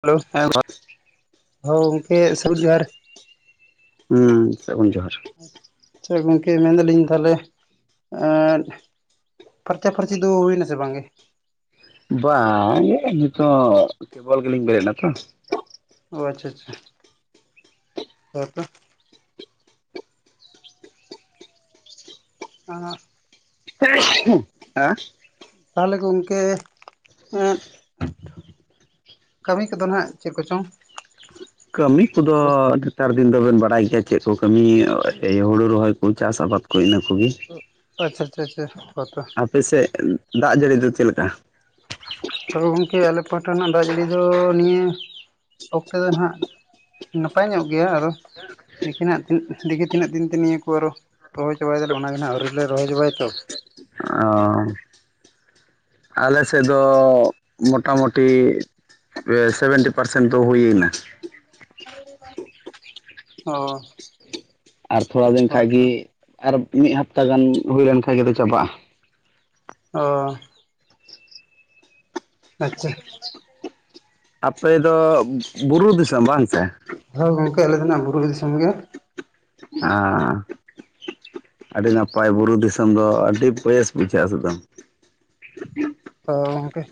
Hello, ᱦᱮᱸ ᱦᱳᱭ ᱜᱚᱝᱠᱮ ᱥᱟᱹᱜᱩᱱ ᱡᱚᱦᱟᱨ᱾ ᱦᱩᱸ, ᱥᱟᱹᱜᱩᱱ ᱡᱚᱦᱟᱨ᱾ ᱟᱪᱪᱷᱟ ᱜᱚᱝᱠᱮ ᱢᱮᱱ ᱫᱟᱞᱤᱧ ᱛᱟᱞᱦᱮ ᱮᱸᱫ ᱯᱷᱟᱨᱪᱟ ᱯᱷᱟᱨᱪᱤ ᱫᱚ ᱦᱩᱭᱱᱟ ᱥᱮ ᱵᱟᱝ ᱜᱮ? ᱵᱟᱝ ᱜᱮ ᱱᱤᱛᱚᱜ ᱠᱮᱵᱚᱞ ᱜᱮᱞᱤᱧ ᱵᱮᱨᱮᱫ ᱱᱟᱛᱚ᱾ ᱚ, ᱟᱪᱪᱷᱟ ᱟᱪᱪᱷᱟ, [unintelligible] ᱟᱸᱻ, ᱮᱸ ᱛᱟᱦᱞᱮ ᱜᱚᱝᱠᱮ ᱮᱸᱫ ᱠᱟᱹᱢᱤ ᱠᱚᱫᱚ ᱱᱟᱜ ᱪᱮᱫ ᱠᱚᱪᱚᱝ? ᱠᱟᱹᱢᱤ ᱠᱚᱫᱚ ᱱᱤᱛᱚᱜ ᱫᱚ ᱟᱹᱰᱤ ᱱᱮᱛᱟᱨ ᱫᱤᱱ ᱫᱚᱵᱮᱱ ᱵᱟᱰᱟᱭ ᱜᱮᱭᱟ ᱪᱮᱫ ᱠᱚ ᱠᱟᱹᱢᱤ, ᱮᱭ ᱦᱩᱲᱩ ᱨᱚᱦᱚᱭ ᱠᱚ, ᱪᱟᱥ ᱟᱵᱟᱫᱽ ᱠᱚ, ᱤᱱᱟᱹ ᱠᱚᱜᱮ᱾ ᱩᱸᱜ, ᱟᱪᱪᱷᱟ ᱟᱪᱪᱷᱟ ᱟᱪᱪᱷᱟ, ᱦᱚᱸᱛᱚ᱾ ᱟᱯᱮ ᱥᱮᱜ ᱫᱟᱜ ᱡᱟᱹᱲᱤ ᱫᱚ ᱪᱮᱫ ᱞᱮᱠᱟ? ᱛᱚᱵᱮ ᱜᱚᱝᱠᱮ ᱟᱞᱮ ᱯᱟᱦᱴᱟ ᱨᱮᱱᱟᱜ ᱫᱟᱜ ᱡᱟᱹᱲᱤ ᱫᱚ ᱱᱤᱭᱟᱹ ᱚᱠᱛᱮ ᱫᱚ ᱱᱟᱦᱟᱜ ᱱᱟᱯᱟᱭ ᱧᱚᱜ ᱜᱮᱭᱟ ᱟᱨᱚ ᱫᱮᱠᱦᱤ ᱱᱟᱦᱟᱜ ᱫᱤᱠᱮ ᱛᱤᱱᱟᱹᱜ ᱫᱤᱱᱛᱮ ᱱᱚᱭᱟ ᱠᱚ ᱟᱨᱚ ᱨᱚᱦᱚᱭ ᱪᱟᱵᱟᱭ ᱫᱟᱞᱮ ᱚᱱᱟ ᱜᱮ ᱱᱟᱦᱟᱸᱜ ᱟᱹᱣᱨᱤᱞᱮ ᱨᱚᱦᱚᱭ ᱪᱟᱵᱟᱭᱟ ᱛᱚ᱾ ᱚ᱾ ᱟᱞᱮ ᱥᱮᱫ ᱫᱚ ᱢᱚᱴᱟᱢᱩᱴᱤ ᱯᱮ ᱥᱮᱵᱷᱮᱱᱴᱤ ᱯᱟᱨᱥᱮᱱᱴ ᱫᱚ ᱦᱩᱭᱮᱱᱟ᱾ ᱚ᱾ ᱟᱨ ᱛᱷᱚᱲᱟ ᱫᱤᱱ ᱠᱷᱟᱡ ᱜᱮ ᱦᱳᱭᱛᱚ ᱟᱨ ᱢᱤᱫ ᱦᱟᱯᱛᱟ ᱜᱟᱱ ᱦᱩᱭᱞᱮᱱ ᱠᱷᱟᱡ ᱜᱮ ᱫᱚ ᱪᱟᱵᱟᱜᱼᱟ᱾ ᱚ᱾ ᱟᱪᱪᱷᱟ᱾ ᱟᱯᱮ ᱫᱚ ᱵᱩᱨᱩ ᱫᱤᱥᱚᱢ ᱵᱟᱝ ᱥᱮ? ᱦᱳᱭ ᱜᱚᱝᱠᱮ ᱟᱞᱮ ᱫᱚ ᱱᱟᱦᱟᱜ ᱵᱩᱨᱩ ᱫᱤᱥᱚᱢ ᱜᱮ᱾ ᱟ᱾ ᱟᱹᱰᱤ ᱱᱟᱯᱟᱭ ᱵᱩᱨᱩ ᱫᱤᱥᱚᱢ ᱫᱚ ᱟᱹᱰᱤ ᱵᱮᱥ ᱵᱩᱡᱷᱟᱹᱜᱼᱟ ᱥᱮᱫᱚᱢ᱾ ᱛᱚ ᱜᱚᱢᱠᱮ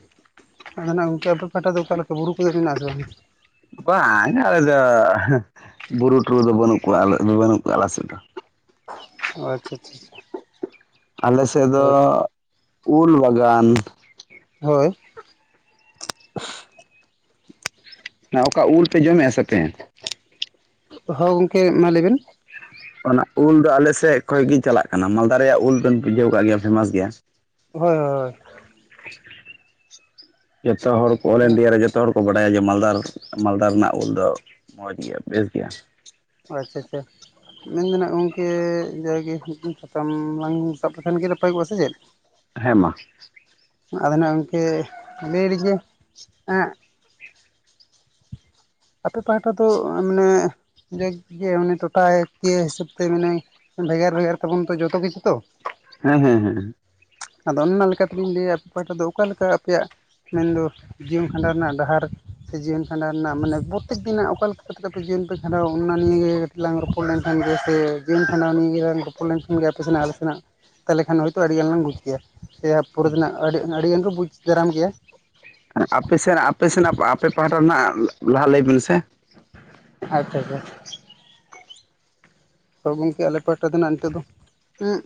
ᱟᱫᱚ ᱱᱟᱦᱜ ᱜᱚᱝᱠᱮ ᱟᱯᱮ ᱯᱟᱦᱴᱟ ᱫᱚ ᱚᱠᱟ ᱞᱮᱠᱟ ᱵᱩᱨᱩ ᱠᱚᱫᱚ ᱢᱮᱱᱟᱜ-ᱟ ᱥᱮ ᱵᱟᱝ? ᱵᱟᱝ ᱟᱞᱮ ᱫᱚ ᱵᱩᱨᱩ ᱴᱷᱩᱨᱩ ᱫᱚ ᱵᱟᱹᱱᱩᱜ ᱠᱚᱣᱟ ᱵᱟᱹᱱᱩᱜ ᱠᱚᱣᱟ ᱟᱞᱮ ᱥᱮᱫ ᱫᱚ᱾ ᱚ ᱟᱪᱪᱷᱟ ᱪᱷᱟ ᱪᱷᱟ᱾ ᱟᱞᱮ ᱥᱮᱫ ᱫᱚ ᱩᱞ ᱵᱟᱜᱟᱱ᱾ ᱦᱳᱭ᱾ ᱚᱱᱟ ᱚᱠᱟ ᱩᱞ ᱯᱮ ᱡᱚᱢᱮ-ᱟ ᱥᱮ ᱯᱮᱸ? ᱦᱳ ᱜᱚᱝᱠᱮ ᱢᱟ ᱞᱟᱹᱭ ᱵᱮᱱ᱾ ᱚᱱᱟ ᱩᱞ ᱫᱚ ᱟᱞᱮᱥᱮᱫ ᱠᱷᱚᱡ ᱜᱮ ᱪᱟᱞᱟᱜ ᱠᱟᱱᱟ᱾ ᱢᱟᱞᱫᱟ ᱨᱮᱭᱟᱜ ᱩᱞ ᱫᱚ ᱵᱮᱱ ᱵᱩᱡᱷᱟᱹᱣ ᱠᱟᱜ ᱜᱮᱭᱟ ᱯᱷᱮᱢᱟᱥ ᱜᱮᱭᱟ᱾ ᱦᱳᱭ ᱦᱳᱭ ᱦᱳᱭ᱾ ᱡᱚᱛᱚ ᱦᱚᱲ ᱠᱚ ᱚᱞ ᱤᱱᱰᱤᱭᱟ ᱦᱳᱭ ᱨᱮ ᱡᱚᱛ ᱡᱚᱛᱚ ᱦᱚᱲ ᱠᱚ ᱵᱟᱰᱟᱭᱟ ᱡᱮ ᱢᱟᱞᱫᱟᱨ ᱢᱟᱞᱫᱟ ᱨᱮᱱᱟᱜ ᱩᱞ ᱫᱚ ᱢᱚᱡᱽ ᱜᱮᱭᱟ ᱵᱮᱥ ᱜᱮᱭᱟ᱾ ᱚ ᱟᱪᱪᱷᱟ ᱟᱪᱪᱷᱟ᱾ ᱢᱮᱱ ᱫᱚ ᱱᱟᱜ ᱜᱚᱢᱠᱮ ᱡᱟᱜᱮ ᱢᱤᱫᱴᱤᱡ ᱥᱟᱛᱟᱢ ᱞᱟᱝ ᱥᱟᱵ ᱞᱮᱠᱷᱱ ᱜᱮ ᱱᱟᱯᱟᱭ ᱠᱚᱜᱼᱟ ᱥᱮ ᱪᱮᱫ? ᱦᱮᱸ ᱢᱟ᱾ ᱟᱫᱚ ᱱᱟᱦᱜ ᱜᱚᱢᱠᱮ ᱞᱟᱹᱭ ᱟᱞᱤᱧ ᱡᱮ ᱮᱸᱜ ᱟᱯᱮ ᱯᱟᱦᱴᱟ ᱫᱚ ᱢᱟᱱᱮ ᱡᱟᱠ ᱜᱮ ᱢᱟᱱᱮ ᱴᱚᱴᱷᱟ ᱠᱤᱭᱟᱹ ᱦᱤᱥᱟᱹᱵᱽ ᱛᱮ ᱢᱮᱱᱟᱭ ᱵᱷᱮᱜᱟᱨ ᱵᱷᱮᱜᱟᱨ ᱛᱟᱵᱚᱱ ᱛᱚ ᱡᱚᱛᱚ ᱠᱤᱪᱷᱩ ᱛᱚ᱾ ᱦᱮᱸ ᱦᱮᱸ ᱦᱮᱸ᱾ ᱟᱫᱚ ᱚᱱᱱᱟ ᱞᱮᱠᱟᱛᱤᱜᱤᱧ ᱞᱟᱹᱭᱟ ᱟᱯᱮ ᱯᱟᱦᱴᱟ ᱫᱚ ᱚᱠᱟᱞ ᱞᱮᱠᱟ ᱟᱯᱮᱭᱟᱜ ᱢᱮᱱᱫᱚ ᱡᱤᱭᱚᱱ ᱠᱷᱟᱸᱰᱟᱣ ᱨᱮᱱᱟᱜ ᱰᱟᱦᱟᱨ ᱥᱮ ᱡᱤᱭᱚᱱ ᱠᱷᱟᱸᱰᱟᱣ ᱨᱮᱱᱟᱜ ᱢᱟᱱᱮ ᱯᱚᱛᱮᱠ ᱫᱤᱱᱟᱜ ᱚᱠᱟ ᱞᱮᱠᱟ ᱠᱟᱛᱮᱫ ᱟᱯᱮ ᱡᱤᱭᱚᱱ ᱯᱮ ᱠᱷᱟᱸᱰᱣᱟ ᱚᱱᱱᱟ ᱱᱤᱭᱮ ᱜᱮ ᱠᱟᱹᱴᱤᱡ ᱞᱟᱝ ᱨᱚᱯᱚᱲ ᱞᱮᱱ ᱠᱷᱟᱱ ᱜᱮ ᱥᱮ ᱡᱤᱭᱚᱱ ᱠᱷᱟᱸᱰᱟᱣ ᱱᱤᱭ ᱜᱮᱞᱟᱝ ᱨᱚᱯ ᱨᱚᱯᱚᱲ ᱞᱮᱱᱠᱷᱟᱱ ᱜᱮ ᱟᱯᱮ ᱥᱮᱱᱟᱜ ᱟᱞᱮ ᱥᱮᱱᱟᱜ ᱛᱟᱞᱦᱮ ᱠᱷᱟᱱ ᱦᱳᱭᱛᱳ ᱟᱹᱰᱤᱜᱟᱱ ᱞᱟᱝ ᱵᱩᱡᱽ ᱠᱮᱭᱟ ᱥᱮ ᱯᱩᱨᱟᱹ ᱫᱤᱱᱟᱜ ᱟᱹᱰᱤ ᱟᱹᱰᱤᱜᱟᱱ ᱠᱚ ᱵᱩᱡᱽ ᱫᱟᱨᱟᱢ ᱜᱮᱭᱟ᱾ ᱮᱸ ᱟᱯᱮ ᱥᱮᱱᱟᱜ ᱟᱯᱮ ᱥᱮᱱᱟᱜ ᱟᱯᱮ ᱯᱟᱦᱴᱟ ᱨᱮᱱᱟᱜ ᱞᱟᱦᱟ ᱞᱟᱹᱭᱵᱤᱱ ᱥᱮ᱾ ᱟᱪᱪᱷᱟ ᱟᱪᱪᱷᱟ᱾ ᱛᱚ ᱜᱚᱢᱠᱮ ᱟᱞᱮ ᱯᱟᱦᱴᱟ ᱫᱚ ᱱᱟᱦᱜ ᱱᱤᱛᱚᱜ ᱫᱚ ᱩᱸᱜ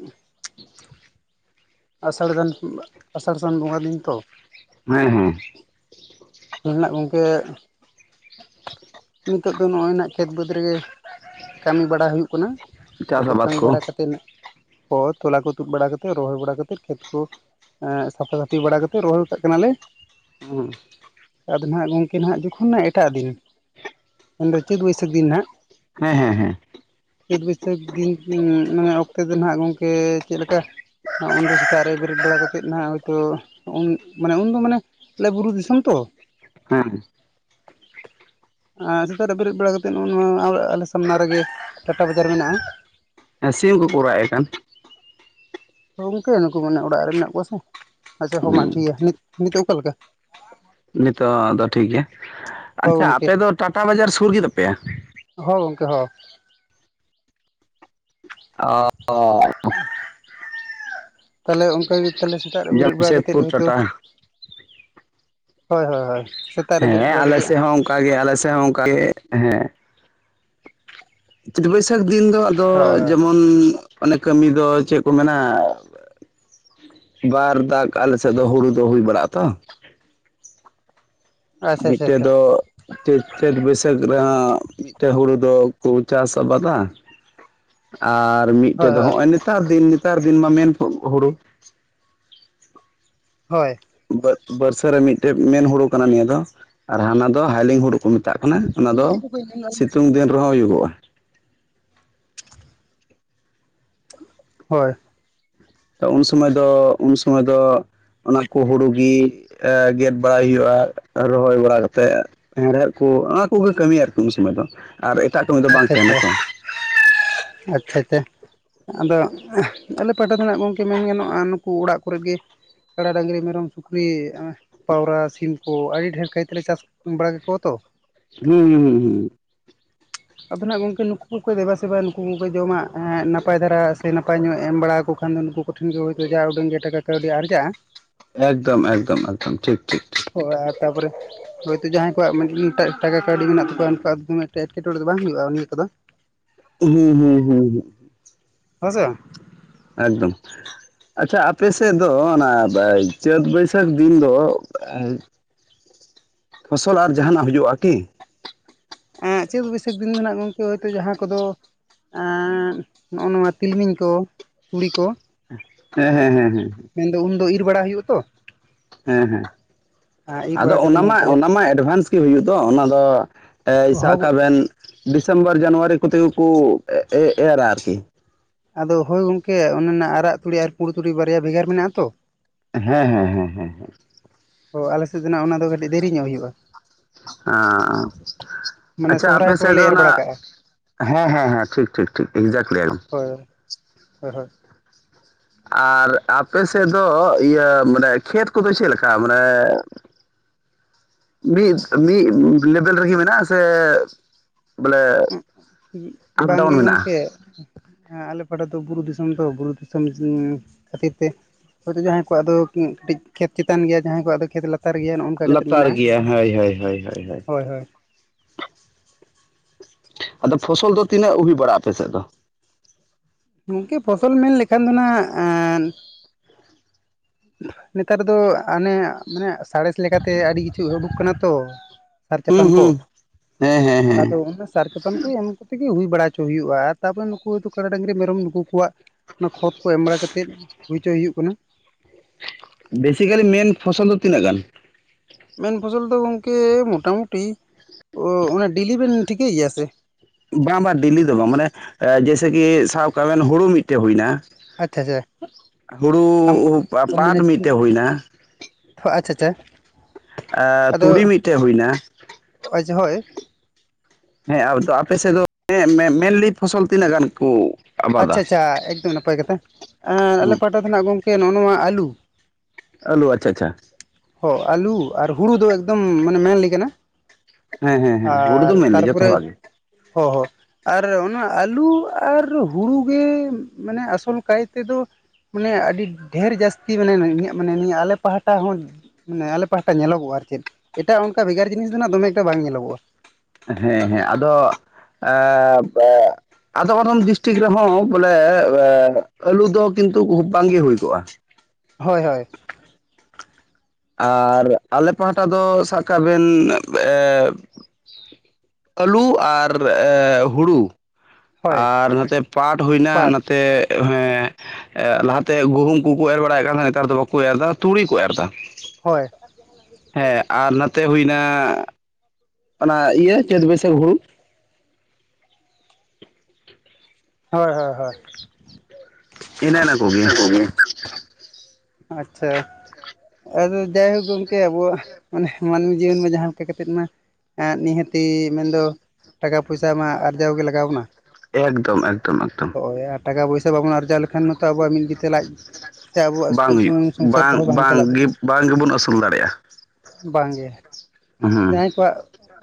ᱟᱥᱟᱲ ᱥᱟᱱ ᱟᱥᱟᱲ ᱥᱟᱱ ᱵᱚᱸᱜᱟ ᱫᱤᱧ ᱛᱚ᱾ ᱦᱮᱸ ᱦᱮᱸ᱾ ᱛᱚ ᱦᱮᱱᱟᱜ ᱜᱚᱢᱠᱮ ᱱᱤᱛᱳᱜ ᱫᱚ ᱱᱚᱜ-ᱚᱭ ᱱᱟᱜ ᱠᱷᱮᱛ ᱵᱟᱹᱫᱽ ᱨᱮᱜᱮ ᱠᱟᱹᱢᱤ ᱵᱟᱲᱟ ᱦᱩᱭᱩᱜ ᱠᱟᱱᱟ᱾ ᱱᱤᱛᱚᱜ ᱪᱟᱥ ᱫᱚ ᱟᱵᱟᱫ ᱠᱟᱹᱢᱤ ᱠᱚ ᱵᱟᱲᱟ ᱠᱟᱛᱮᱫ ᱱᱟᱜ ᱦᱚᱲ ᱛᱚᱞᱟ ᱠᱚ ᱛᱩᱫ ᱵᱟᱲᱟ ᱠᱟᱛᱮᱫ, ᱨᱚᱦᱚᱭ ᱵᱟᱲᱟ ᱠᱟᱛᱮᱫ, ᱠᱷᱮᱛ ᱠᱚ ᱮᱸᱜ ᱥᱟᱯᱷᱟ ᱥᱟᱹᱯᱷᱤ ᱵᱟᱲᱟ ᱠᱟᱛᱮᱫ ᱨᱚᱦᱚᱭ ᱠᱟᱜ ᱠᱟᱱᱟᱞᱮ᱾ [unintelligible] ᱟᱫᱚ ᱱᱟᱦᱟᱜ ᱜᱚᱢᱠᱮ ᱱᱟᱦᱟᱜ ᱡᱚᱠᱷᱚᱱ ᱱᱟᱦᱟᱜ ᱮᱴᱟᱜ ᱫᱤᱱ ᱢᱮᱱᱫᱚ ᱪᱟᱹᱛ ᱵᱟᱹᱭᱥᱟᱹᱠᱷ ᱫᱤᱱ ᱱᱟᱦᱟᱜ ᱦᱮᱸ ᱦᱮᱸ ᱦᱮᱸ ᱪᱟᱹᱛ ᱵᱟᱹᱭᱥᱟᱹᱠᱷ ᱫᱤᱱ ᱢᱟᱱᱮ ᱚᱠᱛᱮ ᱫᱚ ᱱᱟᱦᱟᱜ ᱜᱚᱢᱠᱮ ᱪᱮᱫ ᱞᱮᱠᱟ ᱩᱱᱫᱚ ᱥᱮᱛᱟᱜ ᱨᱮ ᱵᱮᱨᱮᱫ ᱵᱟᱲᱟ ᱠᱟᱛᱮᱫ ᱱᱟᱦᱟᱜ ᱦᱚᱭᱛᱳ ᱩᱱ ᱢᱟᱱᱮ ᱩᱱᱫᱚ ᱢᱟᱱᱮ ᱟᱞᱮ ᱵᱩᱨᱩ ᱫᱤᱥᱚᱢ ᱛᱚ ᱦᱮᱸ ᱦᱮᱸ [unintelligible] ᱟᱨ ᱥᱮᱛᱟᱜ ᱨᱮ ᱵᱮᱨᱮᱫ ᱵᱟᱲᱟ ᱠᱟᱛᱮᱫ ᱱᱚᱜᱼ ᱱᱚᱣᱟ ᱟᱞᱮ ᱥᱟᱢᱱᱟ ᱨᱮᱜᱮ ᱴᱟᱴᱟ ᱵᱟᱡᱟᱨ ᱢᱮᱱᱟᱜᱼᱟ᱾ ᱥᱤᱢ ᱠᱚᱠᱚ ᱨᱟᱜ ᱮᱫ ᱠᱟᱱ᱾ ᱜᱚᱝᱠᱮ ᱱᱩᱠᱩ ᱢᱟᱱᱮ ᱚᱲᱟᱜ ᱨᱮ ᱢᱮᱱᱟᱜ ᱠᱚᱣᱟ ᱥᱮ ᱟᱪᱪᱷᱟ ᱦᱚᱸ ᱢᱟ ᱴᱷᱤᱠ ᱦᱩᱸ ᱜᱮᱭᱟ ᱱᱤᱛᱚᱜ ᱚᱠᱟ ᱞᱮᱠᱟ ᱱᱤᱛᱳᱜ ᱫᱚ ᱴᱷᱤᱠ ᱜᱮᱭᱟ ᱦᱳᱭ ᱟᱪᱪᱷᱟ ᱜᱚᱢᱠᱮ ᱟᱯᱮ ᱫᱚ ᱴᱟᱴᱟ ᱵᱟᱡᱟᱨ ᱥᱩᱨ ᱜᱮᱛᱟᱯᱮᱭᱟ? ᱦᱳ ᱜᱚᱝᱠᱮ ᱦᱳ ᱾ ᱚᱻ [inaudible] ᱛᱟᱦᱞᱮ ᱚᱱᱠᱟᱜᱮ ᱛᱟᱦᱞᱮ ᱥᱮᱛᱟᱜ ᱨᱮ ᱵᱮᱨᱮᱫ ᱵᱟᱲᱟ ᱠᱟᱛᱮᱫ ᱡᱟᱢᱥᱮᱫᱯᱩᱨ ᱦᱚᱭᱛᱳ, ᱴᱟᱴᱟ ᱥᱮᱛᱟᱜ ᱨᱮ ᱦᱮᱸ ᱵᱮᱨᱮᱫ ᱵᱟᱲᱟ ᱟᱞᱮ ᱠᱟᱛᱮᱫ ᱦᱳᱭ ᱥᱮᱫ ᱦᱚᱸ ᱚᱱᱠᱟᱜᱮ ᱟᱞᱮ ᱥᱮᱫ ᱦᱚᱸ ᱚᱱᱠᱟᱜᱮ ᱦᱮᱸ ᱪᱟᱹᱛ ᱵᱟᱹᱭᱥᱟᱹᱠᱷ ᱫᱤᱱ ᱫᱚ ᱟᱫᱚ ᱦᱳᱭ ᱡᱮᱢᱚᱱ, ᱚᱱᱮ ᱠᱟᱹᱢᱤ ᱫᱚ ᱪᱮᱫ ᱠᱚ ᱢᱮᱱᱟ ᱵᱟᱨ ᱫᱟᱜ ᱟᱞᱮᱥᱮᱫ ᱫᱚ ᱦᱩᱲᱩ ᱫᱚ ᱦᱩᱭ ᱵᱟᱲᱟᱜᱼᱟ ᱛᱚ ᱟᱪᱪᱷᱟ ᱟᱪᱪᱷᱟ ᱢᱤᱫᱴᱮᱡ ᱟᱪᱪᱷᱟ ᱫᱚ ᱪᱟᱹᱛ ᱪᱟᱹᱛ ᱵᱟᱹᱭᱥᱟᱹᱠᱷ ᱨᱮᱦᱚᱸ ᱢᱤᱫᱴᱮᱡ ᱦᱩᱲᱩ ᱫᱚᱠᱚ ᱪᱟᱥ ᱟᱵᱟᱫᱟ ᱾ [unintelligible] ᱟᱨ ᱦᱳᱭ ᱢᱤᱫᱴᱮᱡ ᱫᱚ ᱦᱚᱸᱜᱼᱚᱭ ᱱᱮᱛᱟᱨ ᱫᱤᱱ ᱱᱮᱛᱟᱨ ᱫᱤᱱ ᱢᱟ ᱢᱮᱱ [unintelligible] ᱦᱩᱲᱩ ᱾ ᱦᱳᱭ ᱾ ᱵᱟᱹᱨᱥᱟᱹ ᱨᱮ ᱢᱤᱫᱴᱮᱡ ᱢᱮᱱ ᱦᱩᱲᱩ ᱠᱟᱱᱟ ᱱᱤᱭᱟᱹ ᱫᱚ ᱟᱨ ᱦᱟᱱᱟ ᱫᱚ ᱦᱟᱭᱞᱤᱝ ᱦᱩᱲᱩ ᱠᱚ ᱢᱮᱛᱟᱜ ᱠᱟᱱᱟ ᱾ ᱚᱱᱟ ᱫᱚ ᱦᱳᱭ ᱥᱤᱛᱩᱝ ᱫᱤᱱ ᱨᱮᱦᱚᱸ ᱦᱩᱭᱩᱜᱚᱜᱼᱟ ᱾ ᱦᱳᱭ ᱛᱚ ᱩᱱ ᱥᱚᱢᱚᱭ ᱫᱚ ᱩᱱ ᱥᱚᱢᱚᱭ ᱫᱚ ᱚᱱᱟ ᱠᱚ ᱦᱩᱲᱩ ᱜᱤ, ᱮ ᱜᱮᱫ ᱵᱟᱲᱟᱭ ᱦᱩᱭᱩᱜᱼᱟ ᱨᱚᱦᱚᱭ ᱵᱟᱲᱟ ᱠᱟᱛᱮᱜ, ᱦᱮᱸᱲᱦᱮᱫ ᱠᱚ ᱚᱱᱟ ᱠᱚᱜᱮ ᱠᱟᱹᱢᱤ ᱟᱨᱠᱤ ᱩᱱ ᱥᱚᱢᱚᱭ ᱫᱚ ᱟᱨ ᱮᱴᱟᱜ ᱠᱟᱹᱢᱤ ᱫᱚ ᱵᱟᱝ ᱟᱪᱪᱷᱟ ᱛᱟᱦᱮᱱᱟ ᱟᱪᱪᱷᱟ ᱛᱚ ᱟᱪᱪᱷᱟ ᱟᱪᱪᱷᱟ ᱾ ᱟᱫᱚ ᱟᱞᱮ ᱯᱟᱦᱴᱟ ᱫᱚ ᱠᱷᱟᱱᱟᱜ ᱜᱚᱢᱠᱮ ᱢᱮᱱ ᱜᱟᱱᱚᱜᱼᱟ ᱱᱩᱠᱩ ᱚᱲᱟᱜ ᱠᱚᱨᱮ ᱜᱮ, ᱠᱟᱲᱟ ᱰᱟᱹᱝᱨᱤ ᱢᱮᱨᱚᱢ ᱥᱩᱠᱨᱤ ᱯᱟᱣᱨᱟ ᱥᱤᱢ ᱠᱚ ᱟᱹᱰᱤ ᱰᱷᱮᱨ ᱠᱟᱹᱭᱛᱮᱞᱮ ᱪᱟᱥ ᱵᱟᱲᱟ ᱠᱟᱠᱚᱣᱟ ᱛᱚ ᱾ ᱦᱩᱸ ᱦᱩᱸ ᱦᱩᱸ ᱦᱩᱸ ᱾ ᱟᱫᱚ ᱱᱟᱦᱟᱜ ᱜᱚᱢᱠᱮ ᱱᱩᱠᱩ ᱠᱚᱠᱚ ᱫᱮᱵᱟ ᱥᱮᱵᱟ ᱱᱩᱠᱩ ᱠᱚᱠᱚ ᱡᱚᱢᱟᱜ ᱱᱟᱯᱟᱭ ᱫᱷᱟᱨᱟ ᱥᱮ ᱱᱟᱯᱟᱭ ᱧᱚᱜ ᱮᱢ ᱵᱟᱲᱟ ᱟᱠᱚ ᱾ ᱠᱷᱟᱱ ᱫᱚ ᱱᱩᱠᱩ ᱠᱚᱴᱷᱮᱱ ᱜᱮ ᱦᱳᱭᱛᱳ ᱡᱟ ᱩᱰᱟᱹᱝ ᱜᱮ ᱴᱟᱠᱟ ᱠᱟᱹᱣᱰᱤ ᱟᱨᱡᱟᱜᱼᱟ ᱾ ᱮᱠᱫᱚᱢ ᱮᱠᱫᱚᱢ ᱮᱠᱫᱚᱢ ᱴᱷᱤᱠ ᱴᱷᱤᱠ ᱾ ᱦᱳᱭ ᱟᱨ ᱛᱟᱯᱚᱨᱮ ᱦᱳᱭᱛᱳ ᱡᱟᱦᱟᱸᱭ ᱠᱚᱣᱟᱜ [unintelligible] ᱴᱟᱠᱟ ᱠᱟᱹᱣᱰᱤ ᱢᱮᱱᱟᱜ ᱛᱟᱠᱚᱣᱟ ᱩᱱᱠᱩᱣᱟᱜ ᱫᱚ ᱢᱤᱫᱴᱮᱡ, ᱮᱴᱠᱮᱴᱚᱬᱮ ᱫᱚ ᱵᱟᱝ ᱦᱩᱭᱩᱜᱼᱟ ᱱᱤᱭᱟᱹ ᱠᱚᱫᱚ ᱾ ᱦᱩᱸ ᱦᱩᱸ ᱦᱩᱸ ᱦᱩᱸ ᱾ ᱦᱮᱸ ᱥᱮ, ᱮᱠᱫᱚᱢ ᱟᱪᱪᱷᱟ ᱟᱯᱮᱥᱮᱫ ᱫᱚ ᱚᱱᱟ ᱪᱟᱹᱛ ᱵᱟᱹᱭᱥᱟᱹᱠᱷ ᱫᱤᱱ ᱫᱚ [unintelligible] ᱯᱷᱚᱥᱚᱞ ᱟᱨ ᱡᱟᱦᱟᱱᱟᱜ ᱦᱩᱭᱩᱜᱩᱜᱼᱟ ᱠᱤ? ᱪᱟᱹᱫ ᱵᱟᱹᱭᱥᱟᱹᱠᱷ ᱫᱤᱱ ᱫᱚ ᱦᱟᱸᱜ ᱜᱚᱢᱠᱮ ᱦᱚᱭᱛᱳ ᱡᱟᱦᱟᱸ ᱠᱚᱫᱚ ᱟᱜ ᱱᱚᱜᱼᱚ ᱱᱚᱣᱟ ᱛᱤᱞᱢᱤᱧ ᱠᱚ ᱛᱩᱲᱤ ᱠᱚ ᱾ ᱦᱮᱸ ᱦᱮᱸ ᱦᱮᱸ ᱦᱮᱸ ᱾ ᱢᱮᱱ ᱫᱚ ᱩᱱᱫᱚ ᱤᱨ ᱵᱟᱲᱟ ᱦᱩᱭᱩᱜᱼᱟ ᱛᱚ ᱾ ᱦᱮᱸ, ᱦᱮᱸ ᱾ ᱤᱨ ᱟᱫᱚ ᱵᱟᱲᱟ ᱠᱟᱛᱮ ᱚᱱᱟ ᱢᱟ, ᱱᱟᱜ ᱛᱟᱦᱚᱞᱮ ᱚᱱᱟ ᱢᱟ ᱮᱰᱷᱟᱱᱥ ᱜᱮ ᱦᱩᱭᱩᱜ ᱫᱚ ᱚᱱᱟ ᱫᱚ ᱥᱟᱵ ᱦᱚᱸ ᱠᱟᱜ ᱵᱮᱱ ᱰᱤᱥᱮᱢᱵᱚᱨ ᱡᱟᱱᱩᱣᱟᱨᱤ ᱠᱚᱛᱮ ᱜᱮ ᱠᱚ ᱮᱨᱟ ᱟᱨᱠᱤ ᱾ ᱟᱫᱚ ᱦᱳᱭ ᱜᱚᱝᱠᱮ ᱚᱱᱟ ᱱᱟ ᱟᱨᱟᱜ ᱛᱩᱲᱤ ᱟᱨ ᱯᱩᱸᱲ ᱛᱩᱲᱤ ᱵᱟᱨᱭᱟ ᱵᱷᱮᱜᱟᱨ ᱢᱮᱱᱟᱜᱼᱟ ᱛᱚ ᱾ ᱦᱮᱸ ᱦᱮᱸ ᱦᱮᱸ ᱦᱮᱸ ᱦᱮᱸ ᱾ ᱚ ᱟᱞᱮᱥᱮᱫ ᱫᱚ ᱱᱟᱜ ᱚᱱᱟ ᱫᱚ ᱠᱟᱹᱴᱤᱡ ᱫᱮᱨᱤ ᱧᱚᱜ ᱦᱩᱭᱩᱜᱼᱟ ᱾ ᱦᱚᱸ ᱢᱟᱱᱮ ᱟᱪᱪᱷᱟ ᱟᱯᱮ ᱥᱚᱦᱨᱟᱭ ᱯᱚᱨᱮ ᱥᱮᱫ ᱞᱮ ᱫᱚ ᱮᱨ ᱚᱱᱟ ᱵᱟᱲᱟ ᱠᱟᱜᱼᱟ ᱦᱮᱸ ᱦᱮᱸ ᱦᱮᱸ ᱴᱷᱤᱠ ᱴᱷᱤᱠ ᱴᱷᱤᱠ ᱮᱠᱡᱟᱴ ᱞᱟᱹᱭ ᱟᱢ ᱾ ᱦᱳᱭ, ᱦᱳᱭ, ᱦᱳᱭ ᱾ ᱟᱨ ᱟᱯᱮ ᱥᱮᱫ ᱫᱚ ᱤᱭᱟᱹ ᱢᱟᱱᱮ ᱠᱷᱮᱛ ᱠᱚ ᱫᱚ ᱪᱮᱫ ᱞᱮᱠᱟ ᱢᱟᱱᱮ [inaudible] ᱢᱤᱫ ᱢᱤᱫ ᱞᱮᱵᱮᱞ ᱨᱮ ᱜᱮ ᱢᱮᱱᱟᱜᱼᱟ ᱥᱮ ᱵᱚᱞᱮ ᱟᱯᱰᱟᱣᱩᱱ ᱵᱟᱝᱜᱮ ᱢᱮᱱᱟᱜᱼᱟ ᱾ ᱜᱚᱝᱠᱮ ᱦᱮᱸ ᱟᱞᱮ ᱯᱟᱦᱴᱟ ᱫᱚ ᱵᱩᱨᱩ ᱫᱤᱥᱚᱢ ᱛᱚ, ᱵᱩᱨᱩ ᱫᱤᱥᱚᱢ ᱠᱷᱟᱹᱛᱤᱨ ᱛᱮ ᱾ ᱦᱚᱭᱛᱳ ᱡᱟᱦᱟᱸᱭ ᱠᱚᱣᱟᱜ ᱫᱚ ᱠᱟᱹᱴᱤᱡ ᱠᱷᱮᱛ ᱪᱮᱛᱟᱱ ᱜᱮᱭᱟ ᱡᱟᱦᱟᱸᱭ ᱠᱚᱣᱟᱜ ᱠᱚ ᱫᱚ ᱠᱷᱮᱛ ᱞᱟᱛᱟᱨ ᱞᱟᱛᱟᱨ ᱜᱮᱭᱟ ᱱᱚᱜ ᱱᱚᱝᱠᱟ ᱠᱟᱛᱮᱫ ᱞᱟᱛᱟᱨ ᱢᱮᱱᱟᱜᱼᱟ ᱜᱮᱭᱟ ᱦᱳᱭ ᱦᱳᱭ ᱦᱳᱭ ᱦᱳᱭ, ᱦᱳᱭ ᱾ ᱟᱫᱚ ᱯᱷᱚᱥᱚᱞ ᱫᱚ ᱛᱤᱱᱟᱹᱜ ᱦᱩᱭ ᱵᱟᱲᱟᱜᱼᱟ, ᱟᱯᱮ ᱥᱮᱫ ᱫᱚ ᱾ ᱜᱚᱝᱠᱮ ᱯᱷᱚᱥᱚᱞ ᱢᱮᱱ ᱞᱮᱠᱷᱟᱱ ᱫᱚ ᱱᱟᱜ ᱱᱮᱛᱟᱨ ᱫᱚ ᱚᱱᱮ ᱢᱟᱱᱮ ᱥᱟᱬᱮᱥ ᱞᱮᱠᱟ ᱛᱮ ᱟᱹᱰᱤ ᱠᱤᱪᱷᱩ ᱩᱰᱩᱠ ᱠᱟᱱᱟ ᱛᱚ ᱾ ᱥᱟᱨ ᱦᱩᱸ ᱪᱟᱯᱟᱱ ᱠᱚ ᱦᱩᱸ ᱦᱮᱸ ᱦᱮᱸ ᱟᱫᱚ ᱦᱮᱸ ᱚᱱᱟ ᱥᱟᱨ ᱪᱟᱯᱟᱱ ᱠᱚ ᱮᱢ ᱠᱟᱛᱮᱜ ᱜᱮ ᱦᱩᱭ ᱵᱟᱲᱟ ᱪᱚ ᱦᱩᱭᱩᱜᱼᱟ᱾ ᱛᱟᱯᱚᱨᱮ ᱱᱩᱠᱩ ᱠᱟᱰᱟ, ᱰᱟᱝᱨᱤ, ᱢᱮᱨᱚᱢ ᱱᱩᱠᱩ ᱠᱚᱣᱟᱜ ᱚᱱᱟ ᱠᱷᱚᱫ ᱠᱚ ᱮᱢ ᱵᱟᱲᱟ ᱠᱟᱛᱮ ᱦᱩᱭ ᱦᱚᱪᱚᱭ ᱦᱩᱭᱩᱜ ᱠᱟᱱᱟ ᱾ ᱵᱮᱥᱤᱠᱟᱞᱤ ᱢᱮᱱ ᱯᱷᱚᱥᱚᱞ ᱫᱚ ᱛᱤᱱᱟᱹᱜ ᱜᱟᱱ? ᱢᱮᱱ ᱯᱷᱚᱥᱚᱞ ᱫᱚ ᱜᱚᱝᱠᱮ ᱢᱚᱴᱟᱢᱩᱴᱤ ᱚᱱᱟ ᱰᱮᱞᱤᱵᱮᱱ ᱴᱷᱤᱠᱟᱹᱭ ᱜᱮᱭᱟ ᱥᱮ ᱾ ᱵᱟᱝ, ᱵᱟᱝ ᱰᱮᱞᱤ ᱫᱚ ᱵᱟᱝ ᱢᱟᱱᱮ ᱡᱮᱭᱥᱮᱠᱤ ᱥᱟᱵ ᱠᱟᱜ ᱢᱮᱱ ᱦᱩᱲᱳ ᱢᱤᱫ ᱴᱮᱱ ᱦᱩᱭᱱᱟ ᱟᱪᱪᱷᱟ ᱟᱪᱪᱷᱟ ᱾ ᱦᱩᱲᱩ ᱟᱢ ᱯᱟᱴ ᱢᱟᱱᱮ ᱢᱤᱫ ᱴᱮᱱ ᱦᱩᱭᱱᱟ ᱾ ᱟᱪᱪᱷᱟ, ᱟᱪᱪᱷᱟ ᱾ ᱛᱩᱲᱤ ᱢᱤᱫ ᱴᱮᱱ ᱦᱩᱭᱱᱟ ᱾ ᱟᱪᱷᱟ ᱦᱳᱭ ᱾ ᱦᱮᱸ ᱟᱫᱚ ᱟᱯᱮ ᱥᱮᱫ ᱫᱚ ᱢᱮ ᱢᱮᱱᱞᱤ ᱯᱷᱚᱥᱚᱞ ᱛᱤᱱᱟᱹᱜ ᱜᱟᱱ ᱠᱚ ᱟᱵᱟᱫᱟ? ᱟᱪᱪᱷᱟ, ᱟᱪᱪᱷᱟ ᱮᱠᱫᱚᱢ ᱱᱟᱯᱟᱭ ᱠᱟᱛᱷᱟ᱾ ᱟᱞᱮ ᱦᱩᱸ ᱯᱟᱦᱴᱟ ᱠᱷᱚᱱᱟᱜ ᱜᱚᱝᱠᱮ ᱱᱚᱜᱼᱚ ᱱᱚᱣᱟ ᱟᱞᱩ ᱟᱞᱩ ᱟᱪᱪᱷᱟ, ᱟᱪᱪᱷᱟ ᱾ ᱦᱚᱸ ᱟᱞᱩ ᱟᱨ ᱦᱩᱲᱩ ᱫᱚ ᱮᱠᱫᱚᱢ ᱢᱟᱱᱮ ᱢᱮᱱᱞᱤ ᱠᱟᱱᱟ ᱾ ᱦᱮᱸ ᱦᱮᱸ ᱦᱮᱸ ᱦᱩᱲᱩ ᱫᱚ ᱢᱮᱱᱞᱤ ᱡᱚᱛᱚ ᱛᱟᱨᱯᱚᱨᱮ ᱦᱚᱲᱟᱜ ᱜᱮ ᱾ ᱦᱚᱸ ᱟᱨ ᱚᱱᱟ ᱟᱞᱩ ᱟᱨ ᱦᱩᱲᱩ ᱜᱮ ᱢᱟᱱᱮ ᱟᱥᱚᱞ ᱠᱟᱭ ᱛᱮ ᱫᱚ ᱾ ᱢᱟᱱᱮ ᱟᱹᱰᱤ ᱰᱷᱮᱨ ᱡᱟᱹᱥᱛᱤ ᱢᱟᱱᱮ ᱤᱧᱟᱹᱜ ᱢᱟᱱᱮ ᱱᱤᱭᱟᱹ ᱟᱞᱮ ᱯᱟᱦᱴᱟ ᱦᱚᱸ ᱢᱟᱱᱮ ᱟᱞᱮ ᱯᱟᱦᱴᱟ ᱧᱮᱞᱚᱜᱚᱜᱼᱟ ᱟᱨ ᱪᱮᱫ ᱮᱴᱟᱜ ᱚᱱᱠᱟ ᱵᱷᱮᱜᱟᱨ ᱡᱤᱱᱤᱥ ᱫᱚ ᱫᱚᱢᱮ ᱮᱠᱴᱟ ᱵᱟᱝ ᱧᱮᱞᱚᱜᱚᱜᱼᱟ᱾ ᱦᱮᱸ ᱦᱮᱸ ᱟᱫᱚ ᱟᱫᱚᱢ, ᱟᱫᱚᱢ ᱰᱤᱥᱴᱤᱠ ᱨᱮ ᱦᱚᱸ ᱵᱚᱞᱮ ᱟᱞᱩ ᱫᱚ ᱠᱤᱱᱛᱩ ᱵᱟᱝ ᱜᱮ ᱦᱩᱭ ᱠᱚᱜᱼᱟ᱾ ᱦᱳᱭ ᱦᱳᱭ᱾ ᱟᱨ ᱟᱞᱮ ᱯᱟᱦᱴᱟ ᱫᱚ ᱥᱟᱵᱠᱟ ᱵᱮᱱ ᱮᱜ ᱟᱹᱞᱩ ᱟᱨ ᱮ ᱦᱩᱲᱩ ᱦᱳᱭ ᱟᱨ ᱱᱟᱛᱮ ᱯᱟᱴ ᱦᱩᱭᱱᱟ ᱯᱟᱴ ᱱᱟᱛᱮ ᱦᱮᱸ ᱞᱟᱦᱟᱛᱮ ᱜᱩᱦᱩᱢ ᱠᱩᱠᱩ ᱮᱨ ᱵᱟᱲᱟᱭᱮᱫ ᱠᱟᱱ ᱛᱟᱦᱮᱸ ᱱᱮᱛᱟᱨ ᱫᱚ ᱵᱟᱠᱚ ᱮᱨ ᱫᱟ ᱛᱩᱲᱤ ᱠᱚ ᱮᱨ ᱮᱫᱟ᱾ ᱦᱳᱭ᱾ ᱦᱮᱸ ᱟᱨ ᱱᱚᱛᱮ ᱦᱩᱭᱱᱟ ᱚᱱᱟ ᱤᱭᱟᱹ ᱪᱟᱹᱛ ᱵᱟᱹᱭᱥᱟᱹᱠᱷ ᱦᱩᱲᱩ᱾ ᱦᱳᱭ ᱦᱳᱭ ᱦᱳᱭ᱾ ᱤᱱᱟᱱᱟ ᱠᱚᱜᱮ᱾ ᱟᱪᱷᱟ᱾ ᱟᱫᱚ ᱡᱟᱭᱦᱳᱜ ᱜᱝᱢᱠᱮ ᱟᱵᱚᱣᱟᱜ ᱢᱟᱱᱮ ᱢᱟᱱᱢᱤ ᱡᱤᱭᱚᱱ ᱢᱟ ᱡᱟᱦᱟᱸ ᱞᱮᱠᱟ ᱠᱟᱛᱮᱫ ᱢᱟ ᱮᱸᱜ ᱱᱤᱦᱟᱹᱛᱤ ᱢᱮᱱᱫᱚ ᱴᱟᱠᱟ ᱯᱚᱭᱥᱟ ᱢᱟ ᱟᱨᱡᱟᱣ ᱜᱮ ᱞᱟᱜᱟᱣ ᱵᱚᱱᱟ ᱮᱠᱫᱚᱢ ᱮᱠᱫᱚᱢ ᱦᱳᱭ ᱟᱨ ᱴᱟᱠᱟ ᱯᱚᱭᱥᱟ ᱵᱟᱵᱚᱱ ᱟᱨᱡᱟᱣ ᱞᱮ ᱟᱵᱚᱣᱟᱜ [inaudible] ᱵ ᱟᱝ ᱥᱩᱛᱩᱜ ᱦᱩᱭᱩᱜ ᱥᱩᱱᱩᱢ ᱥᱚᱝᱥᱟᱨ ᱵᱟᱝ ᱠᱚᱦᱚᱸ ᱪᱟᱞᱟᱜ ᱵᱟᱝᱜᱮ ᱛᱟᱵᱚᱱᱟ ᱵᱟᱝ ᱜᱮᱵᱚᱱ ᱟᱹᱥᱩᱞ ᱫᱟᱲᱮᱜᱼᱟ᱾ ᱵᱟᱝᱜᱮ ᱦᱩᱸ ᱡᱟᱦᱟᱸᱭ ᱠᱚᱣᱟᱜ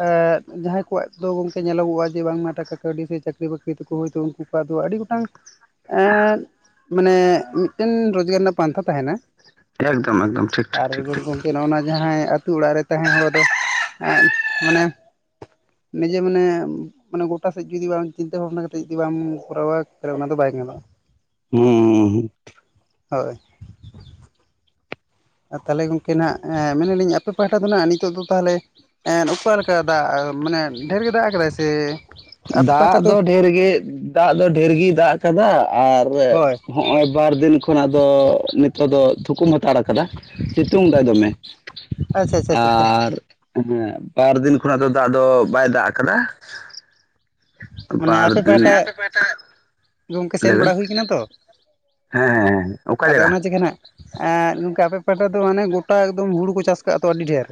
ᱮᱫ ᱡᱟᱦᱟᱸᱭ ᱠᱚᱣᱟᱜ ᱫᱚ ᱜᱚᱝᱠᱮ ᱧᱮᱞᱚᱜᱚᱜᱼᱟ ᱡᱮ ᱵᱟᱝᱢᱟ ᱴᱟᱠᱟ ᱠᱟᱹᱣᱰᱤ ᱥᱮ ᱪᱟᱹᱠᱨᱤ ᱵᱟᱹᱠᱨᱤ ᱛᱮᱠᱚ ᱦᱭᱛᱳ ᱩᱝᱠᱩ ᱠᱚᱣᱟᱜ ᱫᱚ ᱟᱹᱰᱤ ᱜᱚᱴᱟᱝ ᱮᱫ ᱢᱟᱱᱮ ᱢᱤᱫ ᱴᱮᱱ ᱨᱳᱡᱽᱜᱟᱨ ᱨᱮᱱᱟᱜ ᱯᱟᱱᱛᱷᱟ ᱛᱟᱦᱮᱸᱱᱟ, ᱮᱠᱫᱚᱢ ᱮᱠᱫᱚᱢ ᱴᱷᱤᱠ ᱴᱷᱤᱠ ᱟᱨ ᱴᱷᱤᱠ ᱜᱚᱝ ᱴᱷᱤᱠ ᱜᱚᱝᱠᱮ ᱱᱚᱜᱼᱚᱭ ᱡᱟᱦᱟᱸᱭ ᱟᱹᱛᱩ ᱚᱲᱟᱜ ᱨᱮ ᱛᱟᱦᱮ ᱦᱚᱲ ᱫᱚ ᱢᱟᱱᱮ ᱱᱤᱡᱮ ᱢᱟᱱᱮ ᱢᱟᱱᱮ ᱜᱚᱴᱟ ᱥᱮᱫ ᱡᱩᱫᱤ ᱵᱟᱝ ᱪᱤᱱᱛᱟᱹ ᱵᱷᱟᱵᱽᱱᱟ ᱠᱟᱛᱮᱫ ᱡᱩᱫᱤ ᱵᱟᱢ ᱠᱚᱨᱟᱣᱟ ᱛᱟᱦᱚᱞ ᱚᱱᱟ ᱫᱚ ᱵᱟᱭ ᱧᱮᱞᱚᱜᱼᱟ᱾ ᱦᱩᱸ ᱻ ᱦᱩᱸ᱾ ᱦᱳᱭ᱾ ᱟᱨ ᱛᱟᱦᱚᱞᱮ ᱜᱚᱢᱠᱮ ᱱᱟᱸᱜ ᱟ ᱢᱮᱱᱱᱟᱞᱤᱧ ᱟᱯᱮ ᱯᱟᱦᱴᱟ ᱫᱚ ᱦᱟᱸᱜ ᱱᱤᱛᱚᱜ ᱫᱚ ᱛᱟᱦᱚᱞᱮ ᱮᱸᱫ ᱚᱠᱟᱞᱮᱠᱟ ᱫᱟᱜ ᱢᱟᱱᱮ ᱰᱷᱮᱨ ᱜᱮ ᱫᱟᱜ ᱠᱟᱫᱟᱭ ᱥᱮ, ᱟᱯᱮ ᱫᱟᱜ ᱯᱟᱦᱴᱟ ᱫᱚ ᱰᱷᱮᱨ ᱜᱮ ᱫᱟᱜ ᱫᱚ ᱰᱷᱮᱨ ᱜᱮ ᱫᱟᱜ ᱠᱟᱫᱟᱭ ᱟᱨ ᱦᱳᱭ ᱦᱚᱸᱜᱼᱚᱭ ᱵᱟᱨ ᱫᱤᱱ ᱠᱷᱚᱱᱟᱜ ᱫᱚ ᱱᱤᱛᱚᱜ ᱫᱚ ᱛᱷᱩᱠᱩᱢ ᱦᱟᱛᱟᱲ ᱠᱟᱫᱟ ᱥᱤᱛᱩᱝ ᱫᱟᱭ ᱫᱚᱢᱮ᱾ ᱟᱪᱪᱷᱟ ᱟᱪᱪᱷᱟ ᱟᱪᱪᱷᱟ ᱟᱨ ᱦᱮᱸ ᱵᱟᱨ ᱫᱤᱱ ᱠᱷᱚᱱᱟᱜ ᱫᱚ ᱫᱟᱜ ᱫᱚ ᱵᱟᱭ ᱫᱟᱜ ᱠᱟᱫᱟ, ᱢᱟᱱᱮ ᱟᱯᱮ ᱯᱟᱦᱟᱴᱟ ᱜᱚᱝᱠᱮ ᱥᱮᱱ ᱞᱟᱹᱭ ᱵᱮᱱ ᱵᱟᱲᱟ ᱦᱩᱭ ᱠᱟᱱᱟ ᱛᱚ, ᱦᱮᱸ ᱦᱮᱸ ᱚᱠᱟ ᱟᱫᱚ ᱡᱟᱭᱜᱟ ᱚᱱᱟ ᱪᱤᱠᱟᱹ ᱱᱟᱜ ᱮᱸᱜ ᱜᱚᱝᱠᱮ ᱟᱯᱮ ᱯᱟᱦᱟᱴᱟ ᱫᱚ ᱢᱟᱱᱮ ᱜᱚᱴᱟ ᱮᱠᱫᱚᱢ ᱦᱩᱲᱩ ᱠᱚ ᱪᱟᱥ ᱠᱟᱜᱼᱟ ᱛᱚ ᱟᱹᱰᱤ ᱰᱷᱮᱨ?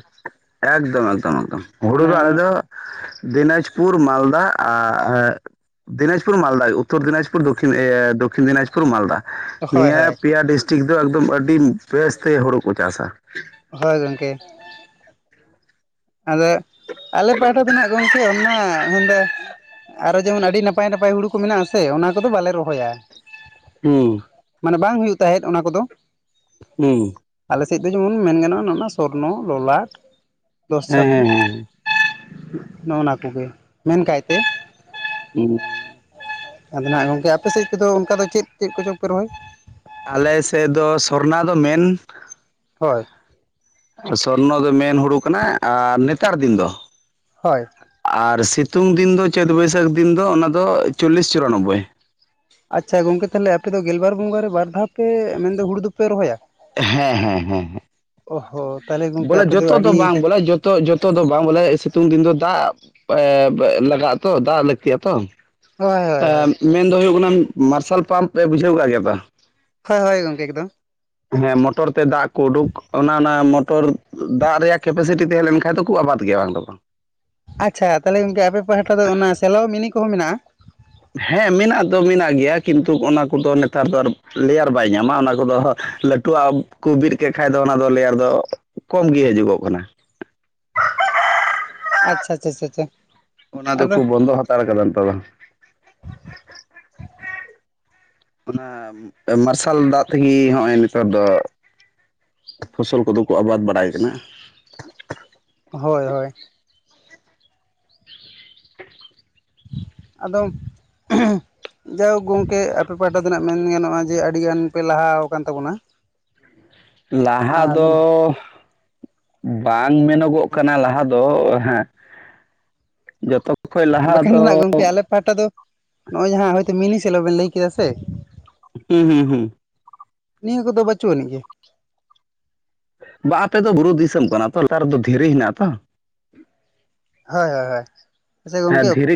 ᱮᱠᱫᱚᱢ ᱮᱠᱫᱚᱢ ᱮᱠᱫᱚᱢ ᱦᱩᱲᱩ ᱫᱚ ᱟᱞᱮ ᱢᱟᱱᱮ ᱫᱚ ᱫᱤᱱᱟᱡᱽ ᱯᱩᱨ ᱢᱟᱞᱫᱟ ᱟ-ᱟ ᱫᱤᱱᱡᱽᱯᱩᱨ ᱢᱟᱞᱫᱟ ᱩᱛᱚᱨ ᱫᱤᱱᱟᱡᱽᱯᱩᱨ ᱫᱚᱠᱤᱱ ᱮ ᱫᱚᱠᱤᱱ ᱫᱤᱡᱽᱯᱩᱨ ᱢᱟᱞᱫᱟ᱾ ᱦᱳᱭ ᱱᱤᱭᱟᱹ ᱦᱳᱭ ᱯᱮᱭᱟ ᱰᱤᱥᱴᱤᱠ ᱫᱚ ᱮᱠᱫᱚᱢ ᱟᱹᱰᱤ ᱵᱮᱥᱛᱮ ᱦᱩᱲᱩ ᱠᱚ ᱪᱟᱥᱟ᱾ ᱦᱳᱭ ᱜᱚᱢᱠᱮ᱾ ᱟᱫᱚ ᱟᱞᱮ ᱯᱟᱦᱟᱴᱟ ᱫᱚ ᱦᱟᱸᱜ ᱜᱚᱢᱠᱮ ᱢᱟ ᱚᱸᱰᱮ ᱟᱨᱚ ᱡᱮᱢᱚᱱ ᱟᱹᱰᱤ ᱱᱟᱯᱟᱭ ᱱᱟᱯᱟᱭ ᱦᱩᱲᱩ ᱠᱚ ᱢᱮᱱᱟᱜᱼᱟᱥᱮ ᱚᱱᱟ ᱠᱚᱫᱚ ᱵᱟᱞᱮ ᱨᱚᱦᱚᱭᱟ᱾ ᱦᱩᱸ᱾ ᱢᱟᱱᱮ ᱵᱟᱝ ᱦᱩᱭᱩᱜ ᱛᱟᱦᱮᱸᱫ ᱚᱱᱟ ᱠᱚᱫᱚ᱾ ᱦᱩᱸ᱾ ᱟᱞᱮᱥᱮᱫ ᱫᱚ ᱡᱮᱢᱚᱱ ᱢᱮᱱ ᱜᱟᱱᱚᱜᱼᱟ ᱱᱚᱣᱟ ᱥᱚᱨᱚᱨᱱᱚ ᱞᱚᱞᱟᱴ ᱫᱚᱥ ᱦᱮᱸ ᱪᱷᱟᱵᱵᱤᱥ ᱦᱮᱸ ᱦᱮᱸ ᱱᱚᱸᱜᱱᱟ ᱠᱚᱜᱮ ᱢᱮᱱᱠᱟᱭ ᱛᱮ᱾ ᱦᱩᱸ᱾ ᱟᱫᱚ ᱱᱟᱦᱟᱸᱜ ᱜᱚᱝᱠᱮ ᱟᱯᱮ ᱥᱮᱫ ᱛᱮᱫᱚ ᱚᱱᱠᱟ ᱫᱚ ᱪᱮᱫ ᱪᱮᱫ ᱠᱚᱪᱚ ᱯᱮ ᱨᱚᱦᱚᱭ? ᱟᱞᱮ ᱥᱮᱫ ᱫᱚ ᱥᱚᱨᱱᱟ ᱫᱚ ᱢᱮᱱ ᱦᱳᱭ᱾ ᱥᱚᱨᱱᱚ ᱫᱚ ᱢᱮᱱ ᱦᱩᱲᱩ ᱠᱟᱱᱟ ᱟᱻ ᱱᱮᱛᱟᱨ ᱫᱤᱱ ᱫᱚ᱾ ᱦᱳᱭ᱾ ᱟᱨ ᱥᱤᱛᱩᱝ ᱫᱤᱱ ᱫᱚ, ᱪᱟᱹᱛ ᱵᱟᱹᱭᱥᱟᱹᱠᱷ ᱫᱤᱱ ᱫᱚ ᱚᱱᱟᱫᱚ ᱪᱚᱞᱞᱤᱥ ᱪᱩᱨᱟᱱᱚᱵᱵᱳᱚᱭ᱾ ᱟᱪᱪᱷᱟ ᱜᱚᱝᱠᱮ, ᱛᱟᱦᱞᱮ ᱟᱯᱮ ᱫᱚ ᱜᱮᱞᱵᱟᱨ ᱵᱚᱸᱜᱟᱮ ᱵᱟᱨ ᱫᱷᱟᱣ ᱯᱮ ᱢᱮᱱᱫᱚ ᱦᱩᱲᱩ ᱫᱚᱯᱮ ᱨᱚᱦᱚᱭᱟ? ᱦᱮᱸ ᱦᱮᱸ ᱦᱮᱸ ᱦᱮᱸ, ᱚ ᱦᱚᱸ ᱛᱟᱦᱚᱞᱮ ᱜᱚᱝᱠᱮ ᱵᱚᱞᱮ ᱟᱯᱮ ᱡᱚᱛᱚ ᱫᱚ ᱟᱹᱰᱤ ᱵᱟᱝ, ᱵᱚᱞᱮ ᱡᱚᱛ ᱮᱱᱛᱮᱜ ᱡᱚᱛᱚ ᱫᱚ ᱵᱟᱝ, ᱵᱚᱞᱮ ᱥᱤᱛᱩᱝ ᱫᱤᱱ ᱫᱚ ᱫᱟᱜ ᱮᱸ ᱞᱟᱜᱟᱜ-ᱟ ᱛᱚ, ᱫᱟᱜ ᱞᱟᱹᱠᱛᱤᱤᱭᱟ ᱛᱚ᱾ ᱦᱳᱭ ᱦᱳᱭ ᱦᱳᱭ ᱮᱸ, ᱢᱮᱱᱫᱚ ᱦᱩᱭᱩᱜ ᱠᱟᱱᱟ ᱢᱟᱨᱥᱟᱞ ᱯᱟᱢᱯ ᱯᱮ ᱵᱩᱡᱷᱟᱹᱣ ᱠᱟᱜ ᱜᱮᱭᱟ ᱛᱚ? ᱦᱳᱭᱻ ᱜᱚᱝᱠᱮ ᱮᱠᱫᱚᱢ᱾ ᱦᱮᱸ ᱢᱚᱴᱚᱨ ᱛᱮ ᱫᱟᱜ ᱠᱚ ᱩᱰᱩᱠ, ᱚᱱᱟ ᱚᱱᱟ ᱢᱚᱴᱚᱨ ᱫᱟᱜ ᱨᱮᱭᱟᱜ ᱠᱮᱯᱟᱥᱤᱴᱤ ᱛᱟᱦᱮᱸ ᱞᱮᱱᱠᱷᱟᱱ ᱠᱷᱟᱡ ᱫᱚᱠᱚ ᱟᱵᱟᱫ ᱜᱮᱭᱟ ᱵᱟᱝ ᱫᱚ ᱵᱟᱝ᱾ ᱟᱪᱪᱷᱟ, ᱛᱟᱦᱞᱮ ᱜᱚᱝᱠᱮ ᱟᱯᱮ ᱯᱟᱦᱟᱴᱟ ᱫᱚ ᱚᱱᱟ ᱥᱮᱞᱚ ᱢᱤᱱᱤ ᱠᱚᱦᱚᱸ ᱢᱮᱱᱟᱜ-ᱟ? ᱦᱮᱸ ᱢᱮᱱᱟᱜ ᱫᱚ ᱢᱮᱱᱟᱜ ᱜᱮᱭᱟ, ᱠᱤᱱᱛᱩ ᱚᱱᱟ ᱠᱚᱫᱚ ᱱᱮᱛᱟᱨ ᱫᱚ ᱟᱨ ᱞᱮᱭᱟᱨ ᱵᱟᱭ ᱧᱟᱢᱟ ᱚᱱᱟ ᱠᱚᱫᱚ ᱞᱟᱹ ᱴᱩᱣᱟᱜ ᱠᱚ ᱵᱤᱫ ᱠᱮᱫ ᱠᱷᱟᱡ ᱫᱚ, ᱚᱱᱟ ᱫᱚ ᱞᱮᱭᱟᱨ ᱫᱚ ᱠᱚᱢ ᱜᱮ ᱦᱟᱹᱡᱩᱜᱚᱜ ᱠᱟᱱᱟ᱾ ᱟᱪᱪᱷᱟ ᱪᱷᱟ ᱪᱷᱟ ᱪᱷᱟ᱾ ᱚᱱᱟ ᱫᱚ ᱠᱩ ᱵᱚᱱᱫᱚ ᱦᱟᱛᱟᱲ ᱠᱟᱫᱟ ᱱᱮᱛᱟᱨ ᱫᱚ᱾ ᱦᱮᱸ, ᱢᱟᱨᱥᱟᱞ ᱫᱟᱜ ᱛᱮᱜᱮ ᱦᱚᱸᱜ-ᱚᱭ ᱱᱮᱛᱟᱨ ᱫᱚ ᱯᱷᱚᱥᱚᱞ ᱠᱚᱫᱚ ᱠᱚ ᱟᱵᱟᱫ ᱵᱟᱲᱟᱭ ᱠᱟᱱᱟ᱾ ᱦᱳᱭ ᱦᱳᱭ᱾ [inaudible] ᱟᱫᱚ ᱡᱟᱭᱦᱳᱠ ᱜᱚᱝᱠᱮ ᱟᱯᱮ ᱯᱟᱦᱴᱟᱱᱟᱜ ᱢᱮᱱ ᱜᱟᱱᱚᱜᱼᱟ ᱡᱮ ᱟᱹᱰᱤ ᱜᱟᱱ ᱯᱮ ᱞᱟᱦᱟᱣ ᱠᱟᱱ ᱛᱟᱵᱚᱱᱟ᱾ [inaudible] ᱞᱟᱦᱟ ᱟᱫᱚ ᱫᱚ ᱵᱟᱝ ᱢᱮᱱᱚᱜᱚᱜ ᱠᱟᱱᱟ ᱞᱟᱦᱟ ᱫᱚ, ᱦᱮᱸ ᱡᱚᱛᱚ ᱠᱷᱚᱡ ᱞᱟᱦᱟ ᱫᱚ ᱚᱠᱟᱴᱟ ᱫᱚ ᱱᱚᱜ-ᱚᱭ ᱡᱟᱦᱟᱸ ᱦᱚᱭᱛᱚ ᱢᱤᱱᱤ ᱥᱮᱞᱚ ᱵᱮᱱ ᱞᱟᱹᱭ ᱠᱮᱫᱟ ᱥᱮ ᱦᱩᱸ ᱦᱩᱸ ᱦᱩᱸ᱾ ᱱᱤᱭᱟᱹ ᱠᱚᱫᱚ ᱵᱟᱹᱪᱩᱜ ᱟᱹᱱᱤᱡ ᱜᱮ᱾ ᱵᱟ ᱟᱯᱮ ᱫᱚ ᱵᱩᱨᱩ ᱫᱤᱥᱚᱢ ᱠᱟᱱᱟ ᱛᱚ ᱞᱟᱛᱟᱨ ᱨᱮᱫᱚ ᱫᱷᱤᱨᱤ ᱦᱮᱱᱟᱜ-ᱟ ᱛᱚ᱾ ᱦᱳᱭ ᱦᱳᱭ ᱦᱳᱭ, ᱟᱪᱪᱷᱟ ᱦᱮᱸ ᱜᱚᱝᱠᱮ ᱫᱷᱤᱨᱤ